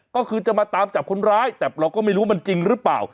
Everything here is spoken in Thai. ก็คือจะมาตามจับคนร้ายแต่เราก็ไม่รู้ว่ามันจริงหรือเปล่า